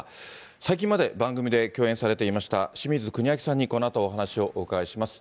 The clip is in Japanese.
最近まで、番組で共演されていました、清水国明さんにこのあと、お話をお伺いします。